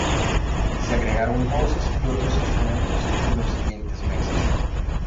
Se agregaron voces y otros instrumentos en los siguientes meses.